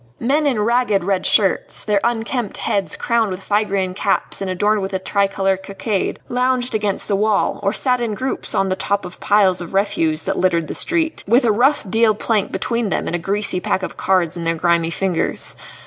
Men in ragged red shirts, their unkempt heads crowned with Phrygian caps adorned with a tricolour cockade, lounged against the wall, or sat in groups on the top of piles of refuse that littered the street, with a rough deal plank between them and a greasy pack of cards in their grimy fingers.